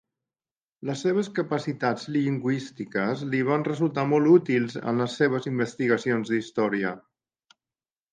Les seves capacitats lingüístiques li van resultar molt útils en les seves investigacions d'Història.